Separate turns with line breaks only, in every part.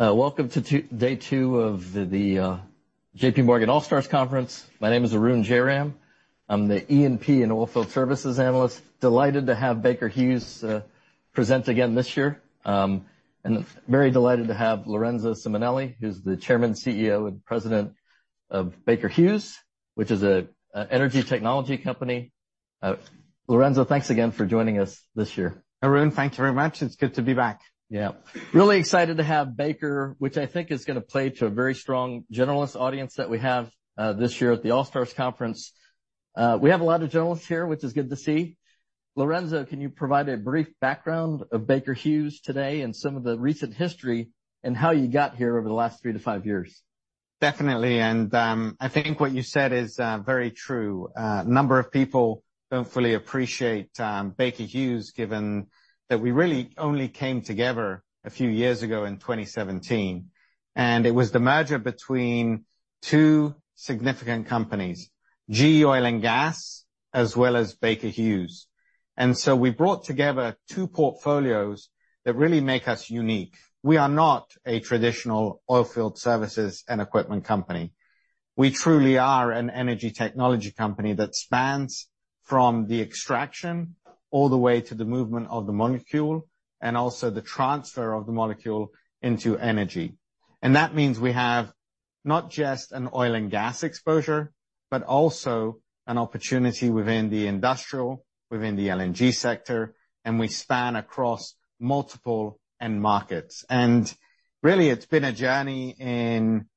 Welcome to day two of the J.P. Morgan All-Stars Conference. My name is Arun Jayaram. I'm the E&P and Oilfield Services analyst. Delighted to have Baker Hughes present again this year, and very delighted to have Lorenzo Simonelli, who's the Chairman, CEO, and President of Baker Hughes, which is an energy technology company. Lorenzo, thanks again for joining us this year.
Arun, thank you very much. It's good to be back.
Yeah. Really excited to have Baker, which I think is gonna play to a very strong generalist audience that we have this year at the All-Stars conference. We have a lot of generalists here, which is good to see. Lorenzo, can you provide a brief background of Baker Hughes today and some of the recent history and how you got here over the last three to five years?
Definitely, and, I think what you said is, very true. A number of people don't fully appreciate Baker Hughes, given that we really only came together a few years ago in 2017, and it was the merger between two significant companies, GE Oil and Gas, as well as Baker Hughes. And so we brought together two portfolios that really make us unique. We are not a traditional Oilfield Services & Equipment company. We truly are an energy technology company that spans from the extraction all the way to the movement of the molecule, and also the transfer of the molecule into energy. And that means we have not just an oil and gas exposure, but also an opportunity within the industrial, within the LNG sector, and we span across multiple end markets. It's been a journey in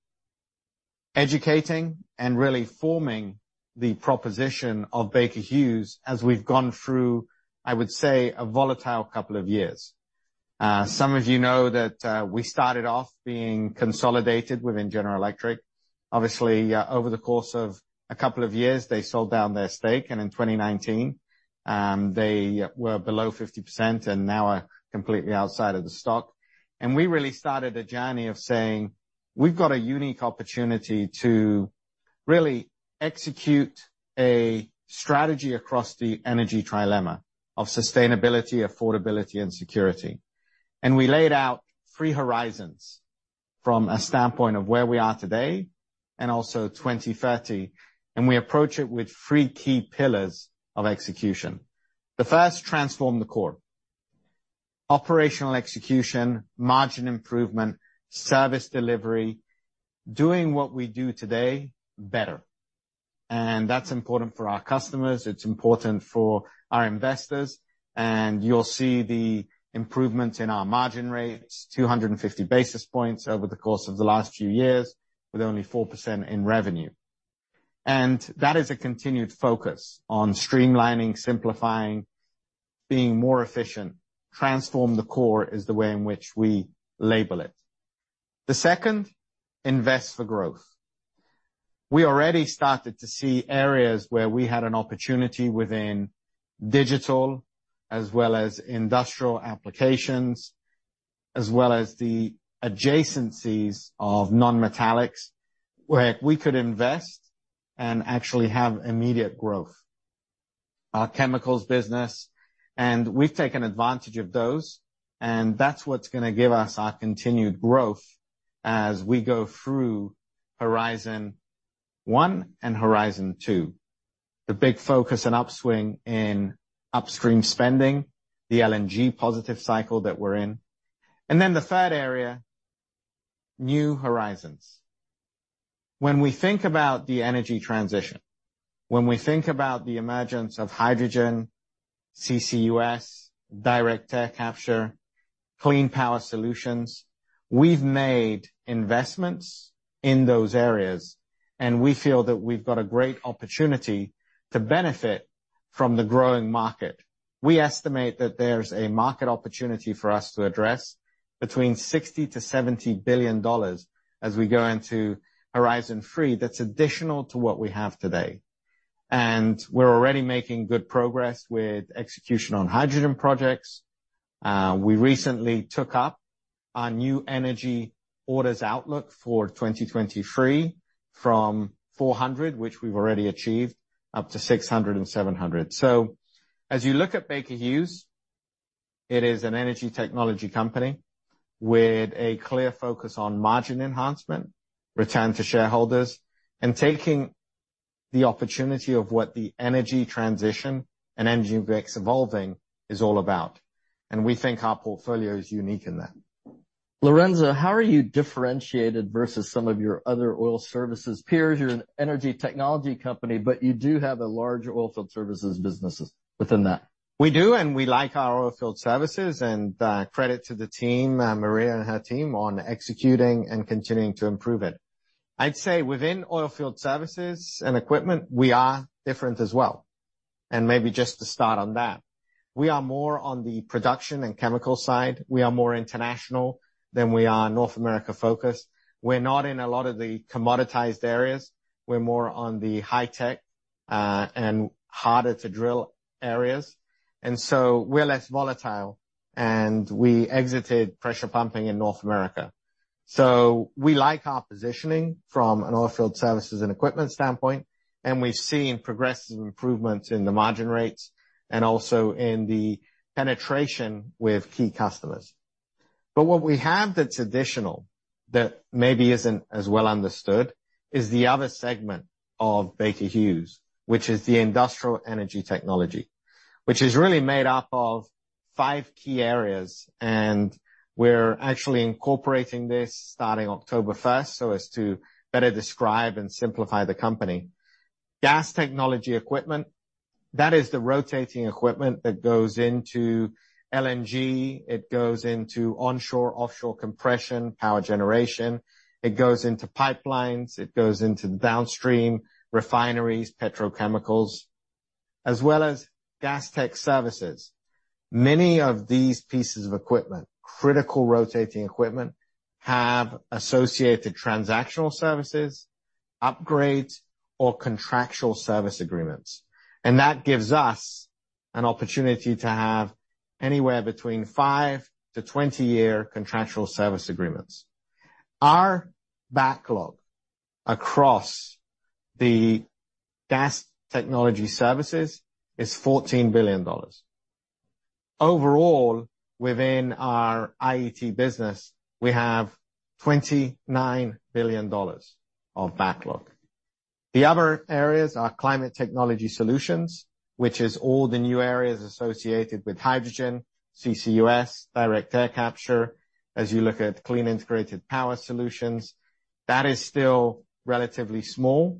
educating and really forming the proposition of Baker Hughes as we've gone through, I would say, a volatile couple of years. Some of you know that we started off being consolidated within General Electric. Obviously, over the course of a couple of years, they sold down their stake, and in 2019, they were below 50% and now are completely outside of the stock. We really started a journey of saying we've got a unique opportunity to really execute a strategy across the energy trilemma of sustainability, affordability, and security. We laid out three horizons from a standpoint of where we are today and also 2030, and we approach it with three key pillars of execution. The first, transform the core. Operational execution, margin improvement, service delivery, doing what we do today, better. That's important for our customers, it's important for our investors, and you'll see the improvements in our margin rates, 250 basis points over the course of the last few years, with only 4% in revenue. That is a continued focus on streamlining, simplifying, being more efficient. Transform the core is the way in which we label it. The second, invest for growth. We already started to see areas where we had an opportunity within digital, as well as industrial applications, as well as the adjacencies of non-metallics, where we could invest and actually have immediate growth. Our chemicals business, and we've taken advantage of those, and that's what's gonna give us our continued growth as we go through Horizon One and Horizon Two. The big focus and upswing in upstream spending, the LNG positive cycle that we're in. The third area, new horizons. When we think about the energy transition, when we think about the emergence of hydrogen, CCUS, direct air capture, clean power solutions, we've made investments in those areas, and we feel that we've got a great opportunity to benefit from the growing market. We estimate that there's a market opportunity for us to address between $60 billion-$70 billion as we go into Horizon Three. That's additional to what we have today. We're already making good progress with execution on hydrogen projects. We recently took up our new energy orders outlook for 2023 from $400 million, which we've already achieved, up to $600 million and $700 million. As you look at Baker Hughes, it is an energy technology company with a clear focus on margin enhancement, return to shareholders, and taking the opportunity of what the energy transition and energy mix evolving is all about. We think our portfolio is unique in that.
Lorenzo, how are you differentiated versus some of your other oil services peers? You're an energy technology company, but you do have a large oil field services businesses within that.
We do, and we like our Oilfield Services, and credit to the team, Maria and her team, on executing and continuing to improve it. I'd say within Oilfield Services & Equipment, we are different as well. And maybe just to start on that, we are more on the production and chemical side. We are more international than we are North America-focused. We're not in a lot of the commoditized areas. We're more on the high-tech, and harder to drill areas. And so we're less volatile, and we exited pressure pumping in North America. So we like our positioning from an Oilfield Services & Equipment standpoint, and we've seen progressive improvements in the margin rates and also in the penetration with key customers. But what we have that's additional, that maybe isn't as well understood, is the other segment of Baker Hughes, which is the Industrial Energy Technology, which is really made up of five key areas, and we're actually incorporating this starting October first, so as to better describe and simplify the company. Gas Technology Equipment, that is the rotating equipment that goes into LNG. It goes into onshore, offshore compression, power generation, it goes into pipelines, it goes into downstream refineries, petrochemicals, as well as Gas Tech Services. Many of these pieces of equipment, critical rotating equipment, have associated transactional services, upgrades, or contractual service agreements, and that gives us an opportunity to have anywhere between five to 20-year contractual service agreements. Our backlog across the Gas Tech Services is $14 billion. Overall, within our IET business, we have $29 billion of backlog. The other areas are Climate Technology Solutions, which is all the new areas associated with hydrogen, CCUS, direct air capture. As you look at Clean Integrated Power Solutions, that is still relatively small,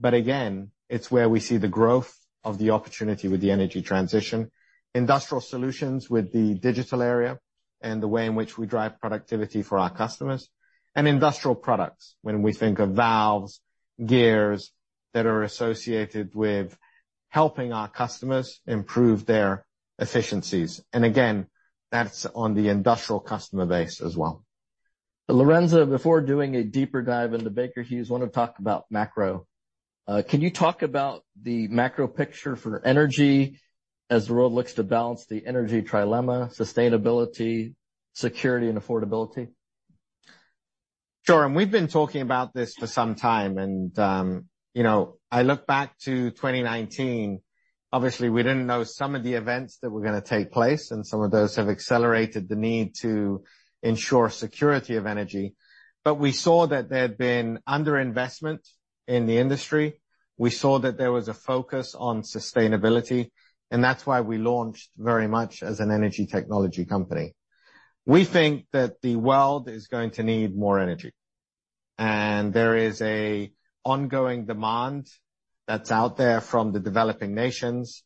but again, it's where we see the growth of the opportunity with the energy transition, Industrial Solutions with the digital area and the way in which we drive productivity for our customers, and Industrial Products. When we think of valves, gears that are associated with helping our customers improve their efficiencies. And again, that's on the industrial customer base as well.
Lorenzo, before doing a deeper dive into Baker Hughes, want to talk about macro. Can you talk about the macro picture for energy as the world looks to balance the energy trilemma, sustainability, security, and affordability?
Sure, we've been talking about this for some time, and, you know, I look back to 2019. Obviously, we didn't know some of the events that were gonna take place, and some of those have accelerated the need to ensure security of energy. We saw that there had been underinvestment in the industry. We saw that there was a focus on sustainability, and that's why we launched very much as an energy technology company. We think that the world is going to need more energy, and there is an ongoing demand that's out there from the developing nations,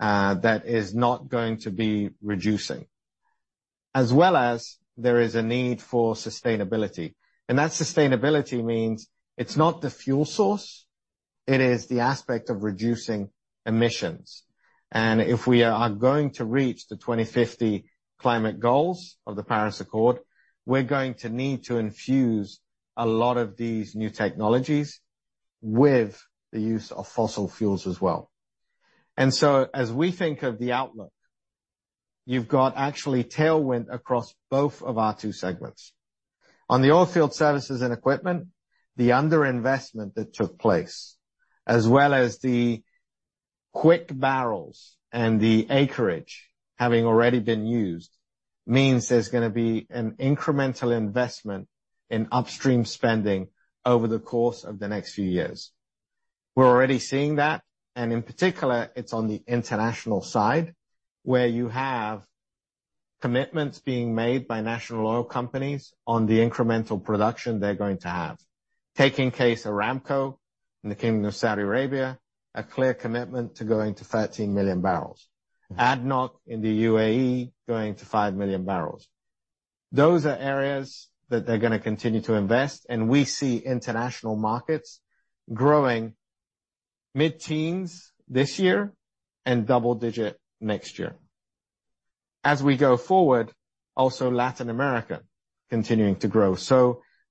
you know, that is not going to be reducing. As well as there is a need for sustainability, and that sustainability means it's not the fuel source, it is the aspect of reducing emissions. And if we are going to reach the 2050 climate goals of the Paris Accord, we're going to need to infuse a lot of these new technologies with the use of fossil fuels as well. So as we think of the outlook, you've got actually tailwind across both of our two segments. On the Oilfield Services & Equipment, the underinvestment that took place, as well as the quick barrels and the acreage having already been used, means there's gonna be an incremental investment in upstream spending over the course of the next few years. We're already seeing that, and in particular, it's on the international side, where you have commitments being made by national oil companies on the incremental production they're going to have. Taking the case of Aramco in the Kingdom of Saudi Arabia, a clear commitment to going to 13 million barrels. ADNOC in the UAE, going to five million barrels. Those are areas that they're gonna continue to invest, and we see international markets growing mid-teens this year and double digit next year. As we go forward, also, Latin America continuing to grow.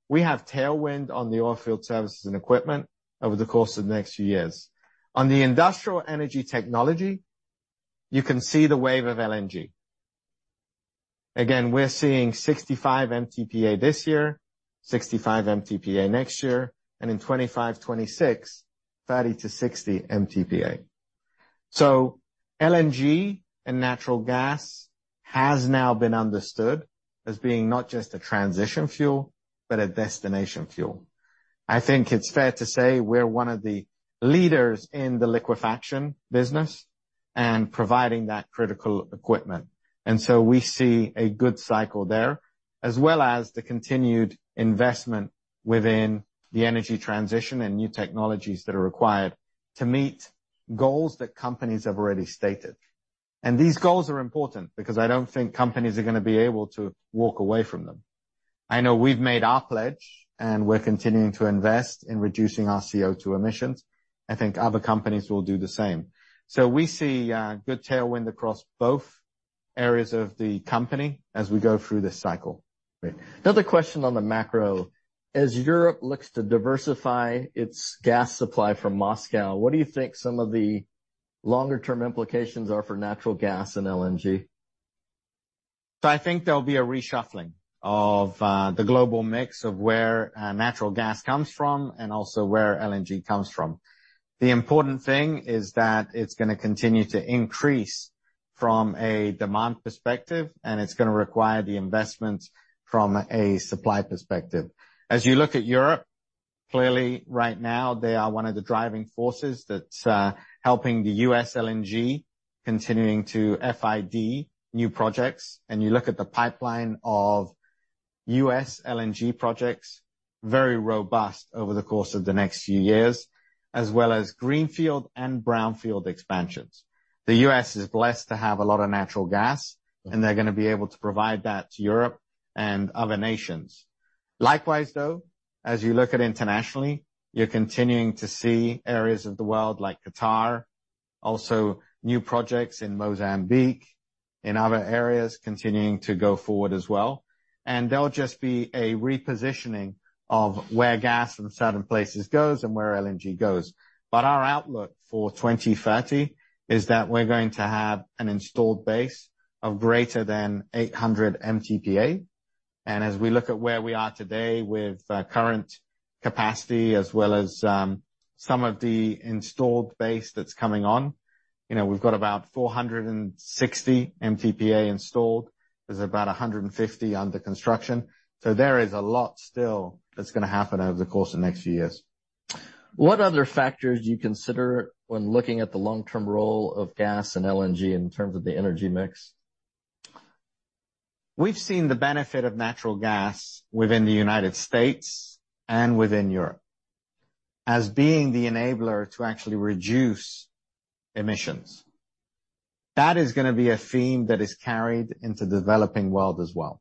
We have tailwind on the Oilfield Services & Equipment over the course of the next few years. On the Industrial & Energy Technology, you can see the wave of LNG. Again, we're seeing 65 MTPA this year, 65 MTPA next year, and in 2025, 2026, 30-60 MTPA. LNG and natural gas has now been understood as being not just a transition fuel, but a destination fuel. I think it's fair to say we're one of the leaders in the liquefaction business and providing that critical equipment, and so we see a good cycle there, as well as the continued investment within the energy transition and new technologies that are required to meet goals that companies have already stated. These goals are important because I don't think companies are gonna be able to walk away from them. I know we've made our pledge, and we're continuing to invest in reducing our CO2 emissions. I think other companies will do the same. We see good tailwind across both areas of the company as we go through this cycle.
Great. Another question on the macro, as Europe looks to diversify its gas supply from Moscow, what do you think some of the longer term implications are for natural gas and LNG?
So I think there'll be a reshuffling of, the global mix of where, natural gas comes from, and also where LNG comes from. The important thing is that it's gonna continue to increase from a demand perspective, and it's gonna require the investment from a supply perspective. As you look at Europe, clearly, right now, they are one of the driving forces that's, helping the U.S. LNG continuing to FID new projects. And you look at the pipeline of U.S. LNG projects, very robust over the course of the next few years, as well as greenfield and brownfield expansions. The U.S. is blessed to have a lot of natural gas, and they're gonna be able to provide that to Europe and other nations. Likewise, though, as you look at internationally, you're continuing to see areas of the world like Qatar, also new projects in Mozambique, in other areas, continuing to go forward as well, and there'll just be a repositioning of where gas from certain places goes and where LNG goes. But our outlook for 2030 is that we're going to have an installed base of greater than 800 MTPA. And as we look at where we are today with current capacity as well as some of the installed base that's coming on, you know, we've got about 460 MTPA installed. There's about 150 under construction. So there is a lot still that's gonna happen over the course of the next few years.
What other factors do you consider when looking at the long-term role of gas and LNG in terms of the energy mix?
We've seen the benefit of natural gas within the United States and within Europe as being the enabler to actually reduce emissions. That is gonna be a theme that is carried into the developing world as well.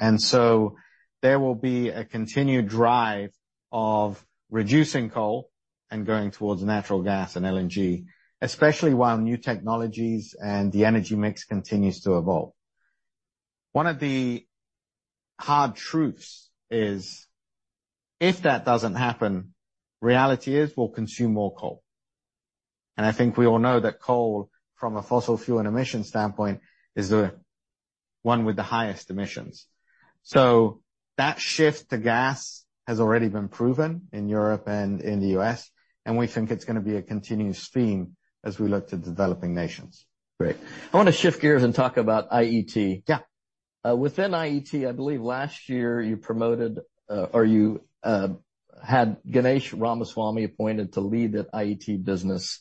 And so there will be a continued drive of reducing coal and going towards natural gas and LNG, especially while new technologies and the energy mix continues to evolve. One of the hard truths is, if that doesn't happen, reality is we'll consume more coal, and I think we all know that coal, from a fossil fuel and emission standpoint, is the one with the highest emissions. So that shift to gas has already been proven in Europe and in the U.S., and we think it's gonna be a continuous theme as we look to developing nations.
Great. I wanna shift gears and talk about IET.
Yeah.
Within IET, I believe last year you promoted or you had Ganesh Ramaswamy appointed to lead that IET business.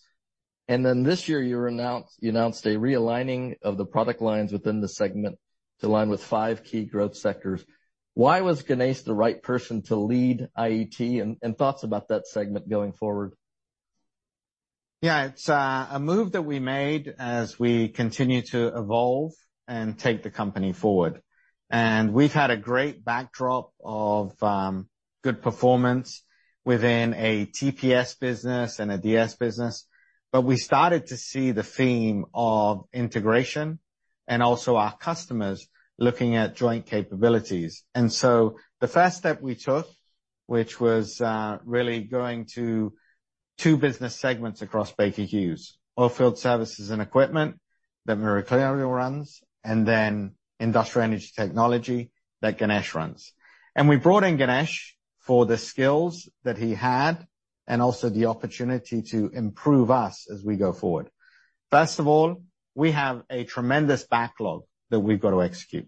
Then this year, you announced a realigning of the product lines within the segment to align with five key growth sectors. Why was Ganesh the right person to lead IET, and thoughts about that segment going forward?
Yeah, it's a move that we made as we continue to evolve and take the company forward. We've had a great backdrop of good performance within a TPS business and a DS business, but we started to see the theme of integration and also our customers looking at joint capabilities. The first step we took was really going to two business segments across Baker Hughes: Oilfield Services & Equipment, that Maria Claudia runs, and then Industrial & Energy Technology, that Ganesh runs. We brought in Ganesh for the skills that he had and also the opportunity to improve us as we go forward. First of all, we have a tremendous backlog that we've got to execute.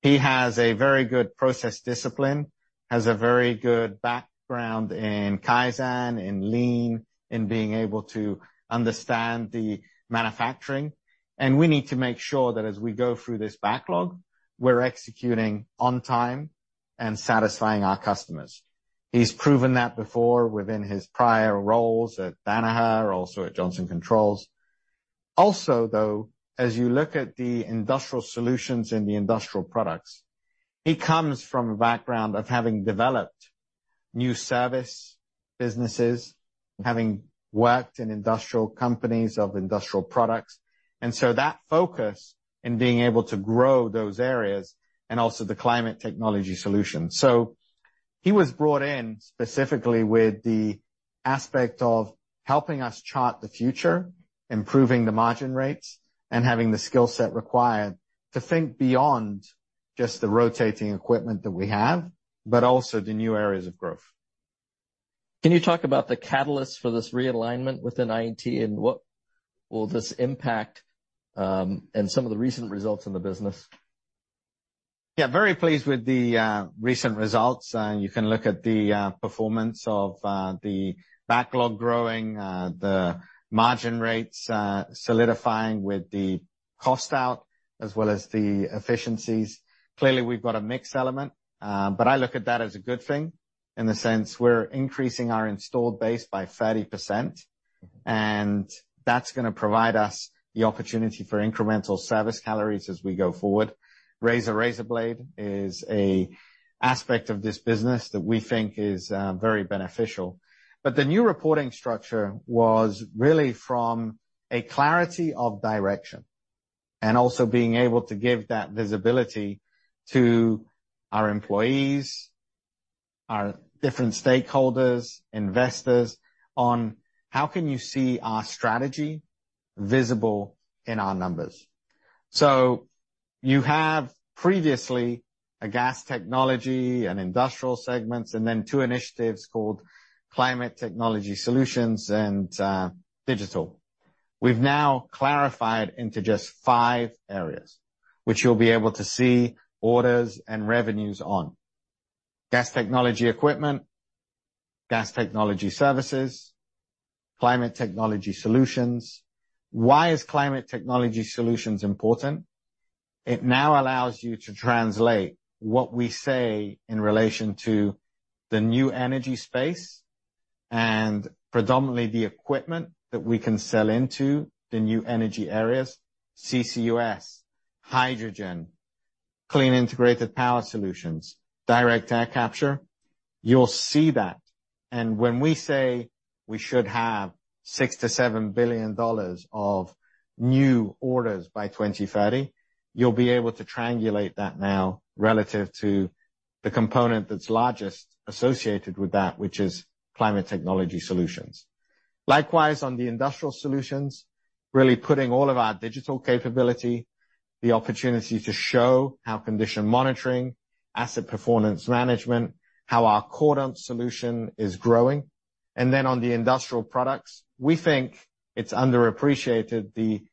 He has a very good process discipline, has a very good background in Kaizen, in Lean, in being able to understand the manufacturing, and we need to make sure that as we go through this backlog, we're executing on time and satisfying our customers. He's proven that before within his prior roles at Danaher, also at Johnson Controls. Also, though, as you look at the industrial solutions and the industrial products, he comes from a background of having developed new service businesses, having worked in industrial companies of industrial products, and that focus in being able to grow those areas, and also the Climate Technology Solutions. He was brought in specifically with the aspect of helping us chart the future, improving the margin rates, and having the skill set required to think beyond just the rotating equipment that we have, but also the new areas of growth.
Can you talk about the catalyst for this realignment within IET, and what will this impact, and some of the recent results in the business?
Yeah, very pleased with the recent results. You can look at the performance of the backlog growing, the margin rates solidifying with the cost out as well as the efficiencies. Clearly, we've got a mix element, but I look at that as a good thing in the sense we're increasing our installed base by 30%, and that's gonna provide us the opportunity for incremental service calories as we go forward. Razor-razorblade is a aspect of this business that we think is very beneficial. But the new reporting structure was really from a clarity of direction, and also being able to give that visibility to our employees, our different stakeholders, investors, on how can you see our strategy visible in our numbers? So you have previously a Gas Technology and Industrial segments, and then two initiatives called Climate Technology Solutions and Digital. We've now clarified into just five areas, which you'll be able to see orders and revenues on. Gas Technology Equipment, Gas Technology Services, Climate Technology Solutions. Why is Climate Technology Solutions important? It now allows you to translate what we say in relation to the new energy space and predominantly the equipment that we can sell into the new energy areas, CCUS, hydrogen, Clean Integrated Power Solutions, direct air capture. You'll see that, and when we say we should have $6 billion-$7 billion of new orders by 2030, you'll be able to triangulate that now relative to the component that's largest associated with that, which is Climate Technology Solutions. Likewise, on the Industrial Solutions, really putting all of our digital capability, the opportunity to show how condition monitoring, asset performance management, how our Cordant Solution is growing. And then on the Industrial Products, we think it's underappreciated, the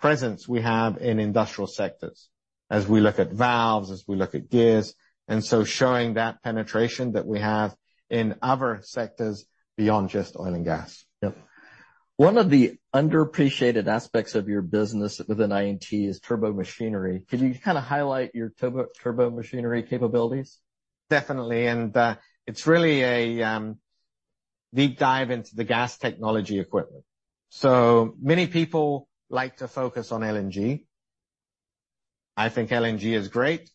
presence we have in industrial sectors as we look at valves, as we look at gears, and so showing that penetration that we have in other sectors beyond just oil and gas.
Yep. One of the underappreciated aspects of your business within IET is turbomachinery. Can you kind of highlight your turbomachinery capabilities?
Definitely, and it's really a deep dive into the Gas Technology Equipment. So many people like to focus on LNG. I think LNG is great.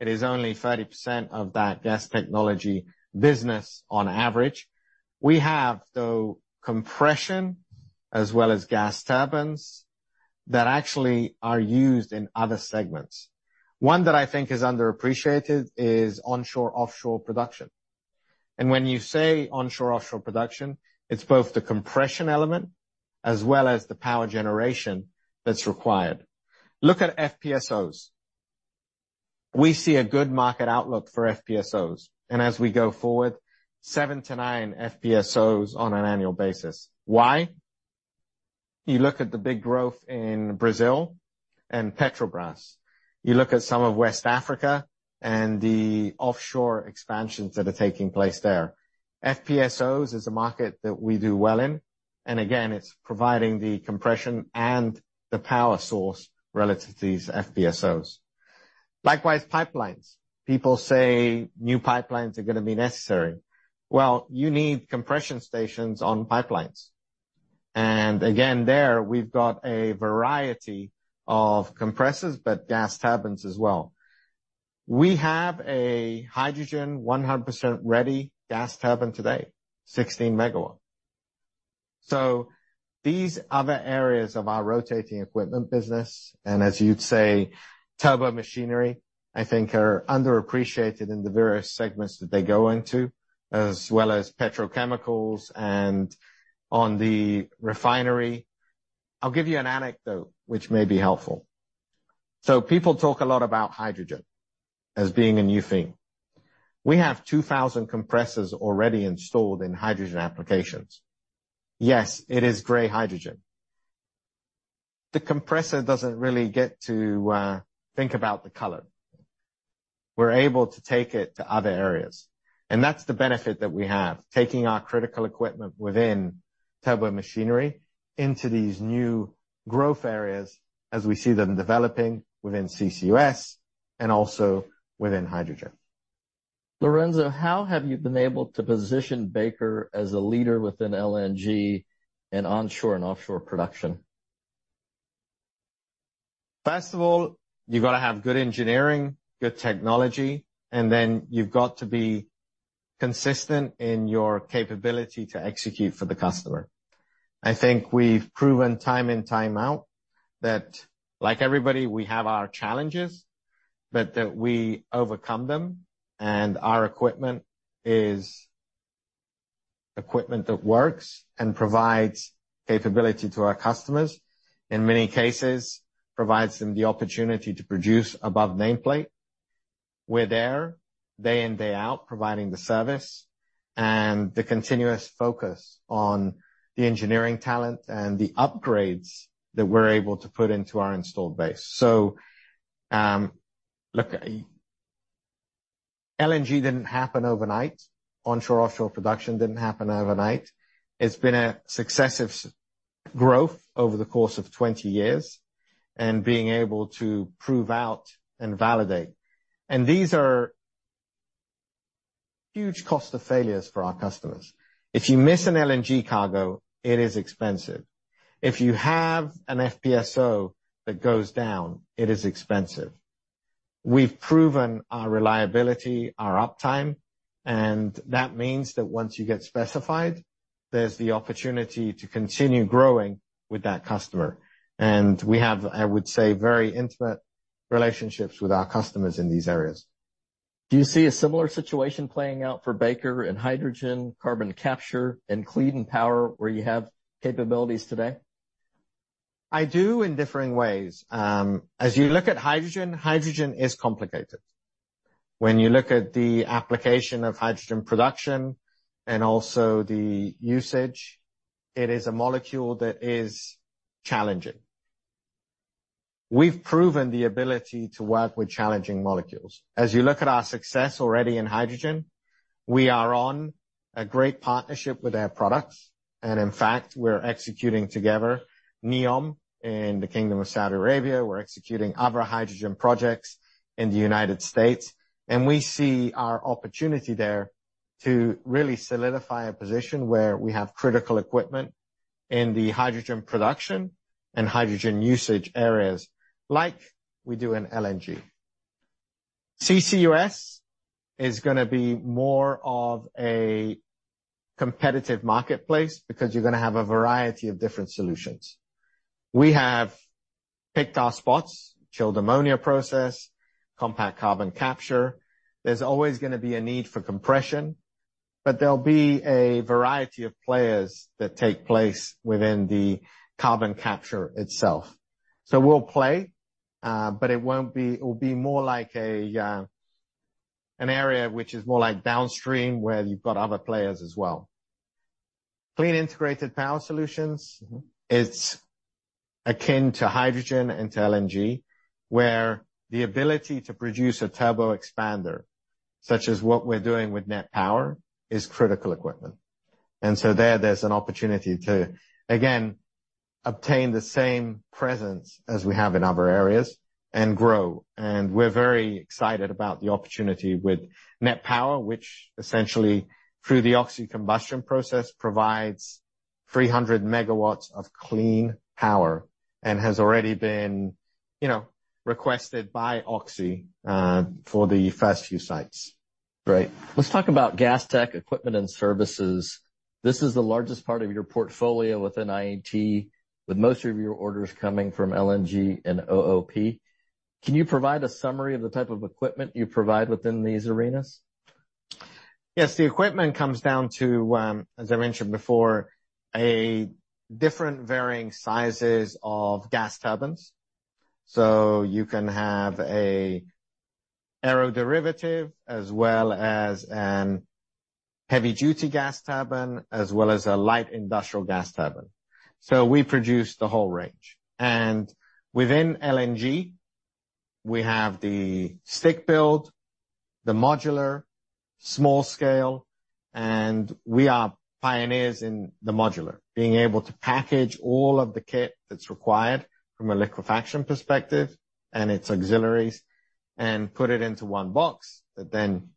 It is only 30% of that Gas Technology business on average. We have, though, compression as well as gas turbines, that actually are used in other segments. One that I think is underappreciated is onshore/offshore production. And when you say onshore/offshore production, it's both the compression element as well as the power generation that's required. Look at FPSOs. We see a good market outlook for FPSOs, and as we go forward, seven to nine FPSOs on an annual basis. Why? You look at the big growth in Brazil and Petrobras. You look at some of West Africa and the offshore expansions that are taking place there. FPSOs is a market that we do well in, and again, it's providing the compression and the power source relative to these FPSOs. Likewise, pipelines. People say new pipelines are gonna be necessary. Well, you need compression stations on pipelines. And again, there, we've got a variety of compressors, but gas turbines as well. We have a hydrogen, 100% ready gas turbine today, 16 MW. So these other areas of our rotating equipment business, and as you'd say, turbomachinery, I think are underappreciated in the various segments that they go into, as well as petrochemicals and on the refinery. I'll give you an anecdote which may be helpful. So people talk a lot about hydrogen as being a new thing. We have 2,000 compressors already installed in hydrogen applications. Yes, it is gray hydrogen. The compressor doesn't really get to think about the color. We're able to take it to other areas, and that's the benefit that we have, taking our critical equipment within turbomachinery into these new growth areas as we see them developing within CCUS and also within hydrogen.
Lorenzo, how have you been able to position Baker as a leader within LNG and onshore and offshore production?
First of all, you've got to have good engineering, good technology, and then you've got to be consistent in your capability to execute for the customer. I think we've proven time in, time out, that like everybody, we have our challenges, but that we overcome them, and our equipment is equipment that works and provides capability to our customers. In many cases, provides them the opportunity to produce above nameplate. We're there day in, day out, providing the service and the continuous focus on the engineering talent and the upgrades that we're able to put into our installed base. So, look, LNG didn't happen overnight. Onshore, offshore production didn't happen overnight. It's been a successive growth over the course of 20 years and being able to prove out and validate. And these are huge cost of failures for our customers. If you miss an LNG cargo, it is expensive. If you have an FPSO that goes down, it is expensive. We've proven our reliability, our uptime, and that means that once you get specified, there's the opportunity to continue growing with that customer. And we have, I would say, very intimate relationships with our customers in these areas.
Do you see a similar situation playing out for Baker in hydrogen, carbon capture, and clean power, where you have capabilities today?
I do, in differing ways. As you look at hydrogen, hydrogen is complicated. When you look at the application of hydrogen production and also the usage, it is a molecule that is challenging. We've proven the ability to work with challenging molecules. As you look at our success already in hydrogen, we are on a great partnership with our products, and in fact, we're executing together NEOM in the Kingdom of Saudi Arabia. We're executing other hydrogen projects in the United States, and we see our opportunity there to really solidify a position where we have critical equipment in the hydrogen production and hydrogen usage areas, like we do in LNG. CCUS is gonna be more of a competitive marketplace because you're gonna have a variety of different solutions. We have picked our spots, Chilled Ammonia Process, Compact Carbon Capture. There's always gonna be a need for compression, but there'll be a variety of players that take place within the carbon capture itself. So we'll play, but it won't be it will be more like an area which is more like downstream, where you've got other players as well. Clean Integrated Power Solutions, it's akin to hydrogen and to LNG, where the ability to produce a turbo expander, such as what we're doing with NET Power, is critical equipment. And so there, there's an opportunity to, again, obtain the same presence as we have in other areas and grow. And we're very excited about the opportunity with NET Power, which essentially, through the oxy combustion process, provides 300 MW of clean power and has already been, you know, requested by Oxy, for the first few sites.
Great. Let's talk about Gas Tech Equipment and Services. This is the largest part of your portfolio within IET, with most of your orders coming from LNG and OOP. Can you provide a summary of the type of equipment you provide within these arenas?
Yes. The equipment comes down to, as I mentioned before, a different varying sizes of gas turbines. So you can have an aeroderivative, as well as a heavy-duty gas turbine, as well as a light industrial gas turbine. So we produce the whole range. And within LNG, we have the stick-built, the modular, small scale, and we are pioneers in the modular, being able to package all of the kit that's required from a liquefaction perspective and its auxiliaries, and put it into one box, that then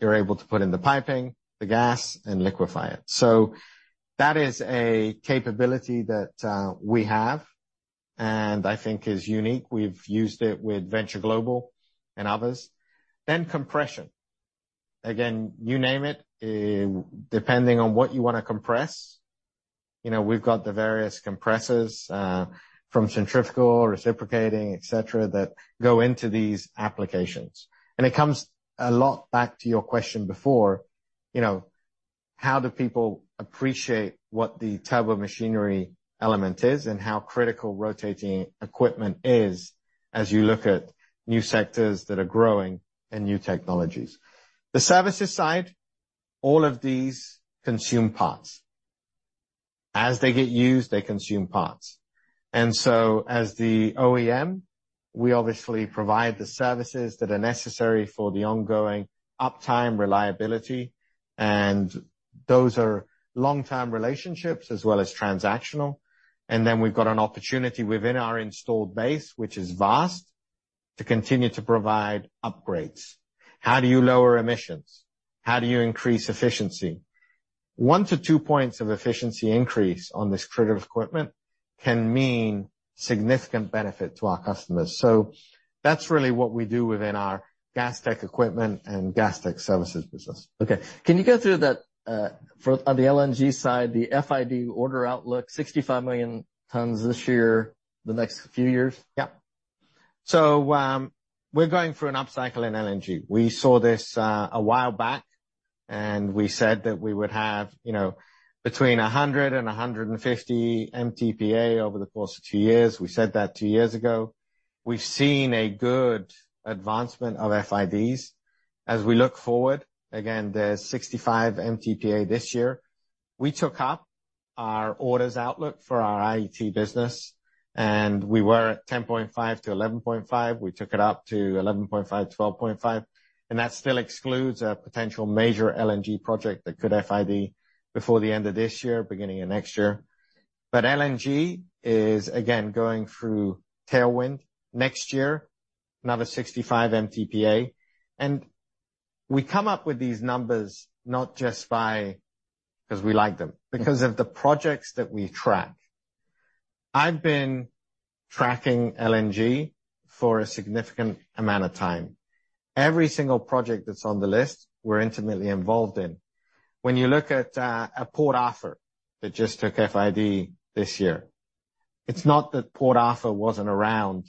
you're able to put in the piping, the gas, and liquefy it. So that is a capability that, we have, and I think is unique. We've used it with Venture Global and others. Then compression. Again, you name it, depending on what you wanna compress, you know, we've got the various compressors, from centrifugal, reciprocating, et cetera, that go into these applications. It comes a lot back to your question before, you know, how do people appreciate what the turbomachinery element is, and how critical rotating equipment is as you look at new sectors that are growing and new technologies? The services side, all of these consume parts. As they get used, they consume parts. So as the OEM, we obviously provide the services that are necessary for the ongoing uptime, reliability, and those are long-term relationships as well as transactional. Then we've got an opportunity within our installed base, which is vast, to continue to provide upgrades. How do you lower emissions? How do you increase efficiency? One-two points of efficiency increase on this critical equipment can mean significant benefit to our customers. So that's really what we do within our gas tech equipment and Gas Tech Services business.
Okay. Can you go through that, for on the LNG side, the FID order outlook, 65 million tons this year, the next few years?
Yeah. So, we're going through an upcycle in LNG. We saw this a while back, and we said that we would have, you know, between 100-150 MTPA over the course of two years. We said that two years ago. We've seen a good advancement of FIDs. As we look forward, again, there's 65 MTPA this year. We took up our orders outlook for our IET business, and we were at 10.5-11.5. We took it up to 11.5-12.5, and that still excludes a potential major LNG project that could FID before the end of this year, beginning of next year. But LNG is, again, going through tailwind next year, another 65 MTPA. And we come up with these numbers not just by because we like them. Because of the projects that we track. I've been tracking LNG for a significant amount of time. Every single project that's on the list, we're intimately involved in. When you look at, at Port Arthur, that just took FID this year, it's not that Port Arthur wasn't around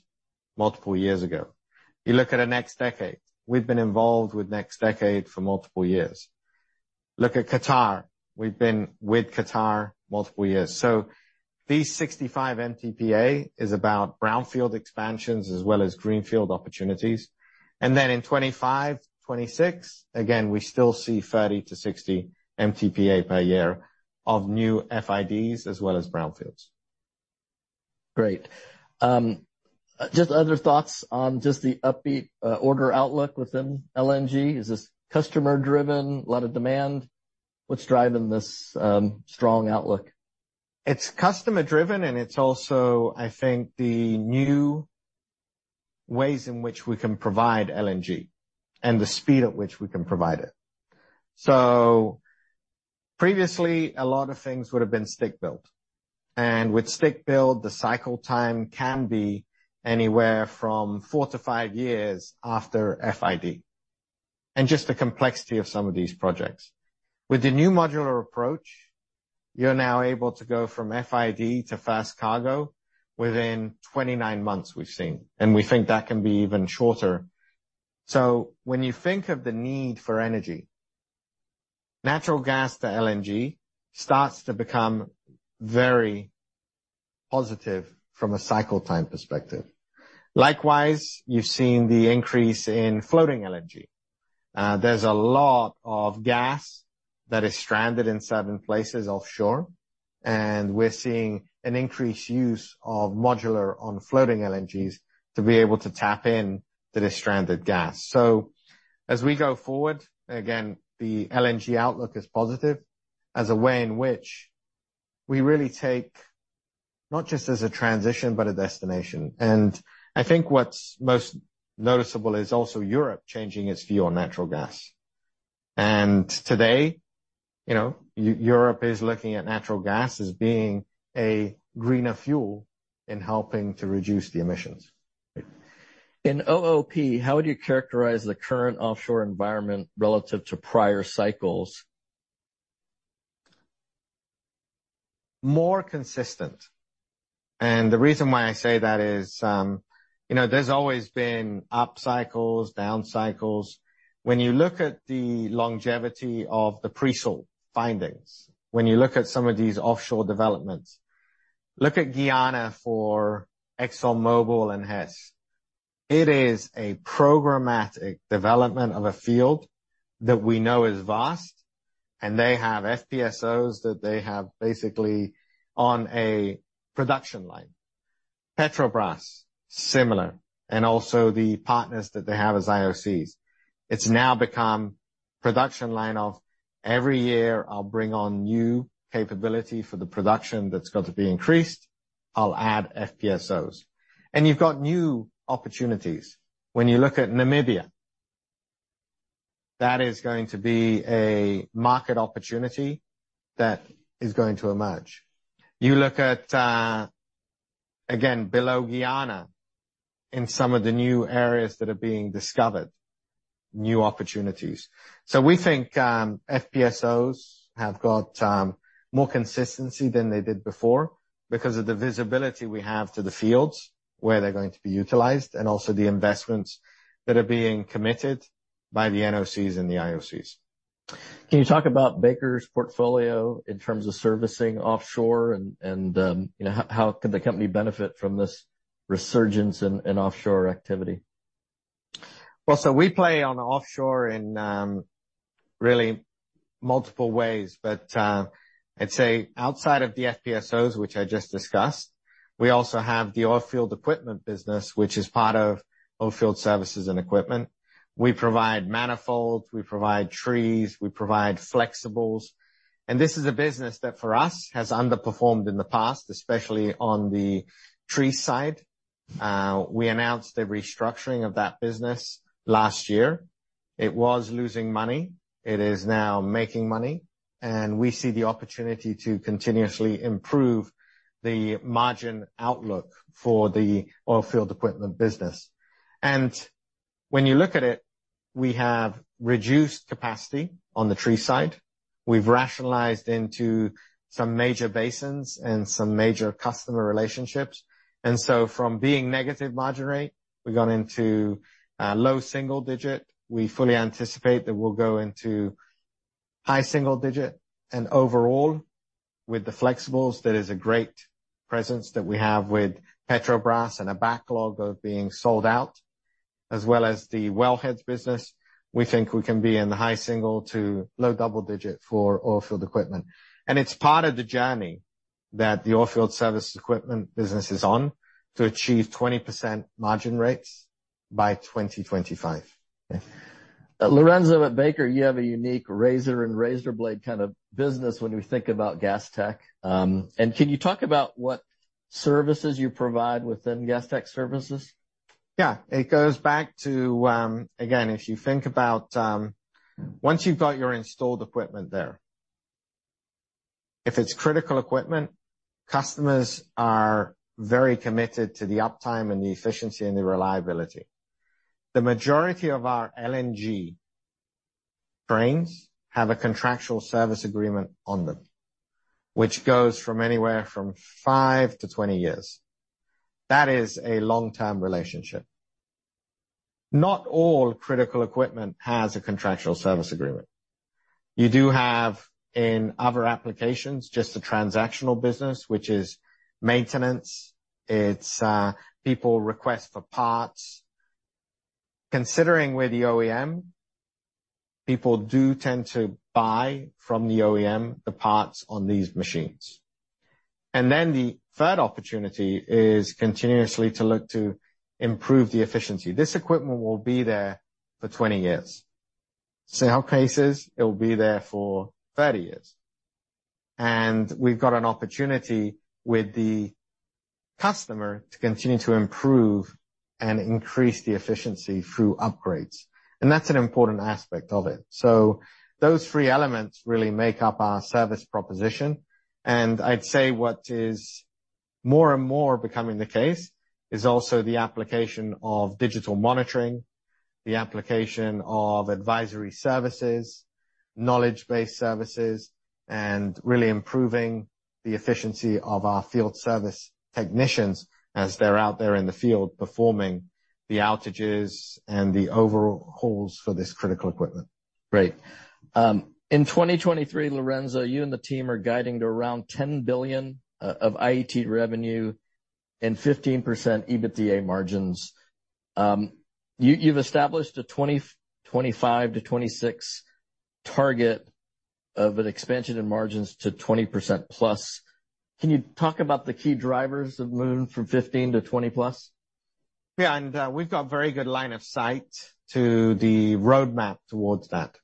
multiple years ago. You look at a NextDecade, we've been involved with NextDecade for multiple years. Look at Qatar, we've been with Qatar multiple years. These 65 MTPA is about brownfield expansions as well as greenfield opportunities. In 2025, 2026, again, we still see 30-60 MTPA per year of new FIDs as well as brownfields.
Great. Just other thoughts on just the upbeat order outlook within LNG. Is this customer driven, a lot of demand? What's driving this strong outlook?
It's customer driven, and it's also, I think, the new ways in which we can provide LNG and the speed at which we can provide it. So previously, a lot of things would have been stick built, and with stick build, the cycle time can be anywhere from four-five years after FID, and just the complexity of some of these projects. With the new modular approach, you're now able to go from FID to first cargo within 29 months we've seen, and we think that can be even shorter. So when you think of the need for energy, natural gas to LNG starts to become very positive from a cycle time perspective. Likewise, you've seen the increase in floating LNG. There's a lot of gas that is stranded in certain places offshore, and we're seeing an increased use of modular on floating LNGs to be able to tap in to the stranded gas. So as we go forward, again, the LNG outlook is positive as a way in which we really take not just as a transition but a destination. And I think what's most noticeable is also Europe changing its view on natural gas. And today, you know, Europe is looking at natural gas as being a greener fuel in helping to reduce the emissions.
In OOP, how would you characterize the current offshore environment relative to prior cycles?
More consistent. The reason why I say that is, you know, there's always been up cycles, down cycles. When you look at the longevity of the pre-salt findings, when you look at some of these offshore developments, look at Guyana for ExxonMobil and Hess. It is a programmatic development of a field that we know is vast, and they have FPSOs that they have basically on a production line. Petrobras, similar, and also the partners that they have as IOCs. It's now become production line of every year I'll bring on new capability for the production that's got to be increased. I'll add FPSOs. And you've got new opportunities. When you look at Namibia, that is going to be a market opportunity that is going to emerge. You look at, again, below Guyana in some of the new areas that are being discovered, new opportunities. We think FPSOs have got more consistency than they did before because of the visibility we have to the fields where they're going to be utilized, and also the investments that are being committed by the NOCs and the IOCs.
Can you talk about Baker's portfolio in terms of servicing offshore and, you know, how could the company benefit from this resurgence in offshore activity?
Well, so we play on offshore in really multiple ways, but I'd say outside of the FPSOs, which I just discussed, we also have the Oilfield Equipment business, which is part of Oilfield Services & Equipment. We provide manifolds, we provide trees, we provide flexibles. And this is a business that for us has underperformed in the past, especially on the tree side. We announced a restructuring of that business last year. It was losing money. It is now making money, and we see the opportunity to continuously improve the margin outlook for the Oilfield Equipment business. And when you look at it, we have reduced capacity on the tree side. We've rationalized into some major basins and some major customer relationships, and so from being negative margin rate, we've gone into low single digit. We fully anticipate that we'll go into high single digit. Overall, with the flexibles, there is a great presence that we have with Petrobras and a backlog of being sold out, as well as the wellheads business. We think we can be in the high single to low double digit for Oilfield Equipment. It's part of the journey that the Oilfield Services & Equipment business is on to achieve 20% margin rates by 2025.
Lorenzo, at Baker, you have a unique razor-razorblade kind of business when we think about gas tech. Can you talk about what services you provide within Gas Tech Services?
Yeah. It goes back to, again, if you think about, once you've got your installed equipment there. If it's critical equipment, customers are very committed to the uptime and the efficiency and the reliability. The majority of our LNG trains have a contractual service agreement on them, which goes from anywhere from five to 20 years. That is a long-term relationship. Not all critical equipment has a Contractual Service Agreement. You do have, in other applications, just a transactional business, which is maintenance, it's, people request for parts. Considering we're the OEM, people do tend to buy from the OEM, the parts on these machines. And then the third opportunity is continuously to look to improve the efficiency. This equipment will be there for 20 years. Some cases, it'll be there for 30 years. We've got an opportunity with the customer to continue to improve and increase the efficiency through upgrades, and that's an important aspect of it. Those three elements really make up our service proposition, and I'd say what is more and more becoming the case is also the application of digital monitoring, the application of advisory services, knowledge-based services, and really improving the efficiency of our field service technicians as they're out there in the field, performing the outages and the overhauls for this critical equipment.
Great. In 2023, Lorenzo, you and the team are guiding to around $10 billion of IET revenue and 15% EBITDA margins. You've established a 2025-2026 target of an expansion in margins to 20%+. Can you talk about the key drivers of moving from 15% to 20%+?
Yeah, we've got very good line of sight to the roadmap towards that.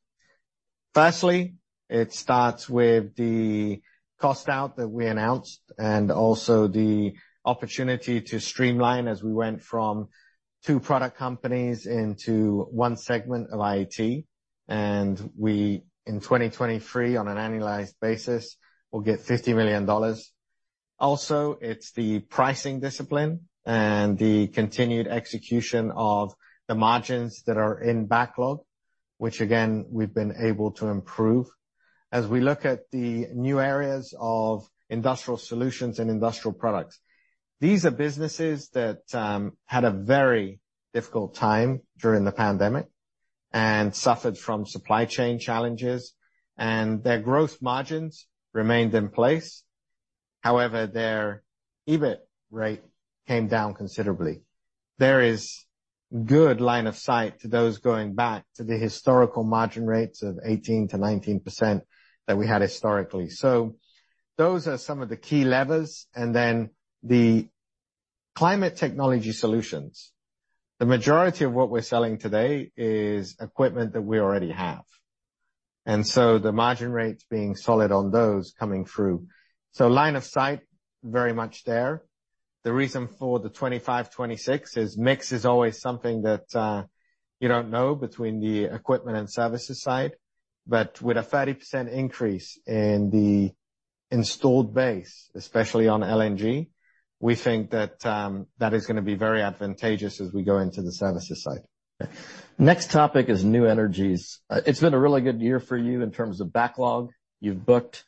Firstly, it starts with the cost out that we announced, and also the opportunity to streamline as we went from two product companies into one segment of IET, and we in 2023, on an annualized basis, will get $50 million. Also, it's the pricing discipline and the continued execution of the margins that are in backlog, which again, we've been able to improve. As we look at the new areas of industrial solutions and industrial products, these are businesses that had a very difficult time during the pandemic and suffered from supply chain challenges, and their growth margins remained in place. However, their EBIT rate came down considerably. There is good line of sight to those going back to the historical margin rates of 18%-19% that we had historically. So those are some of the key levers, and then the Climate Technology Solutions. The majority of what we're selling today is equipment that we already have, and so the margin rates being solid on those coming through. So line of sight, very much there. The reason for the 25-26 is mix is always something that, you don't know between the equipment and services side, but with a 30% increase in the installed base, especially on LNG, we think that, that is gonna be very advantageous as we go into the services side.
Next topic is new energies. It's been a really good year for you in terms of backlog. You've booked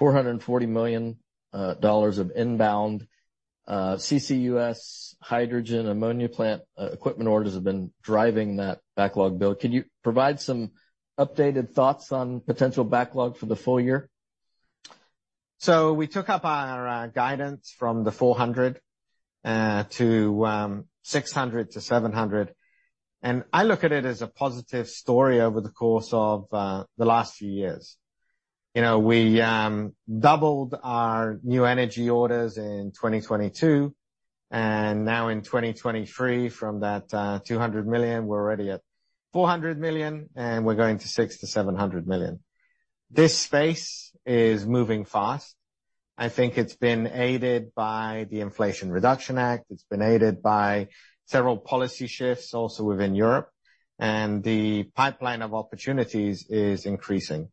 $440 million of inbound CCUS, hydrogen, ammonia plant equipment orders have been driving that backlog bill. Can you provide some updated thoughts on potential backlog for the full year?
So we took up our guidance from the 400 to 600 to 700, and I look at it as a positive story over the course of the last few years. You know, we doubled our new energy orders in 2022, and now in 2023, from that $200 million, we're already at $400 million, and we're going to $600 million-$700 million. This space is moving fast. I think it's been aided by the Inflation Reduction Act. It's been aided by several policy shifts also within Europe, and the pipeline of opportunities is increasing.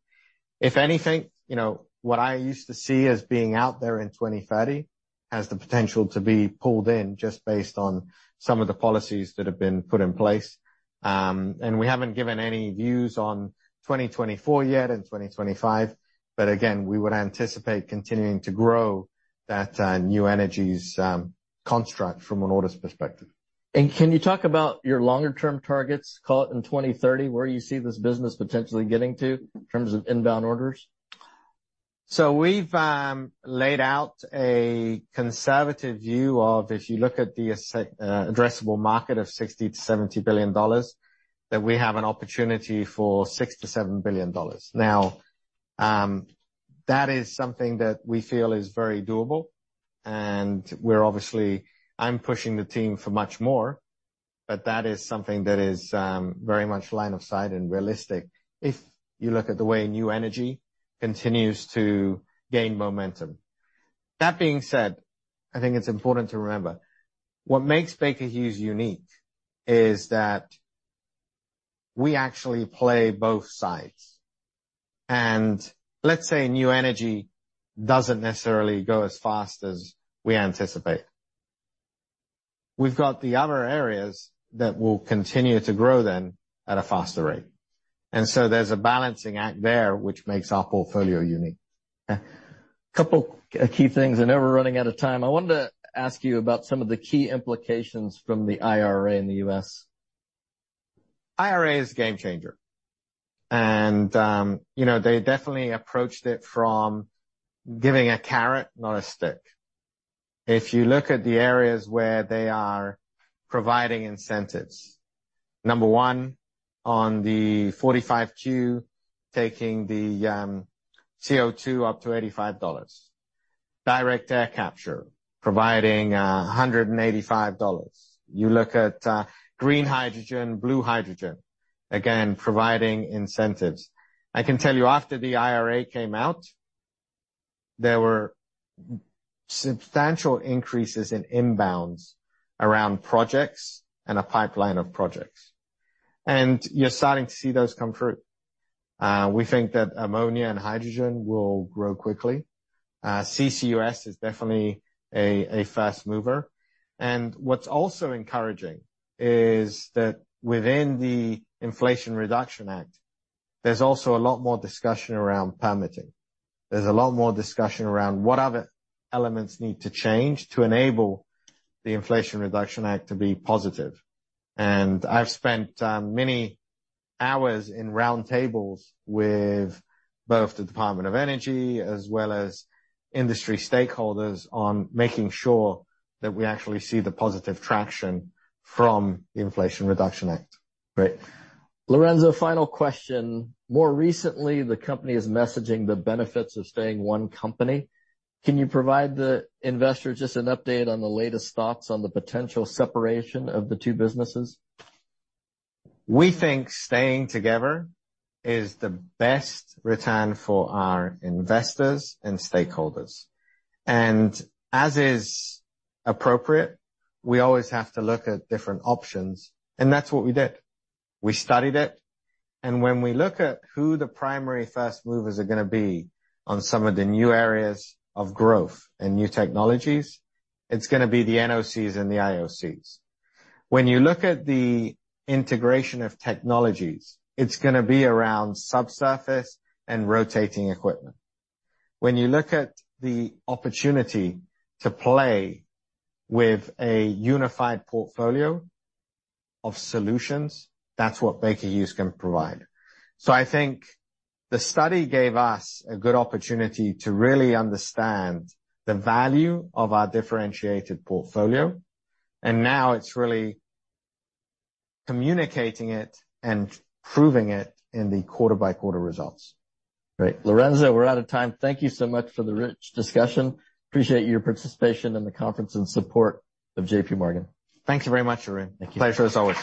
If anything, you know, what I used to see as being out there in 2030 has the potential to be pulled in just based on some of the policies that have been put in place. We haven't given any views on 2024 yet and 2025, but again, we would anticipate continuing to grow that new energies construct from an orders perspective.
Can you talk about your longer-term targets, call it in 2030, where you see this business potentially getting to in terms of inbound orders?
We've laid out a conservative view of if you look at the addressable market of $60 billion-$70 billion, that we have an opportunity for $6 billion-$7 billion. Now, that is something that we feel is very doable and we're obviously, I'm pushing the team for much more, but that is something that is very much line of sight and realistic if you look at the way new energy continues to gain momentum. That being said, I think it's important to remember, what makes Baker Hughes unique is that, we actually play both sides. And let's say, new energy doesn't necessarily go as fast as we anticipate. We've got the other areas that will continue to grow then at a faster rate, and so there's a balancing act there, which makes our portfolio unique.
Okay. A couple key things. I know we're running out of time. I wanted to ask you about some of the key implications from the IRA in the US.
IRA is a game changer, and, you know, they definitely approached it from giving a carrot, not a stick. If you look at the areas where they are providing incentives, number one, on the 45Q, taking the CO2 up to $85. Direct air capture, providing a $185. You look at green hydrogen, blue hydrogen, again, providing incentives. I can tell you, after the IRA came out, there were substantial increases in inbounds around projects and a pipeline of projects, and you're starting to see those come through. We think that ammonia and hydrogen will grow quickly. CCUS is definitely a fast mover. And what's also encouraging is that within the Inflation Reduction Act, there's also a lot more discussion around permitting. There's a lot more discussion around what other elements need to change to enable the Inflation Reduction Act to be positive. I've spent many hours in round tables with both the Department of Energy as well as industry stakeholders on making sure that we actually see the positive traction from the Inflation Reduction Act.
Great. Lorenzo, final question: More recently, the company is messaging the benefits of staying one company. Can you provide the investor just an update on the latest thoughts on the potential separation of the two businesses?
We think staying together is the best return for our investors and stakeholders. As is appropriate, we always have to look at different options, and that's what we did. We studied it, and when we look at who the primary first movers are gonna be on some of the new areas of growth and new technologies, it's gonna be the NOCs and the IOCs. When you look at the integration of technologies, it's gonna be around subsurface and rotating equipment. When you look at the opportunity to play with a unified portfolio of solutions, that's what Baker Hughes can provide. I think the study gave us a good opportunity to really understand the value of our differentiated portfolio, and now it's really communicating it and proving it in the quarter-by-quarter results.
Great. Lorenzo, we're out of time. Thank you so much for the rich discussion. Appreciate your participation in the conference and support of J.P. Morgan.
Thank you very much, Arun.
Thank you.
Pleasure, as always.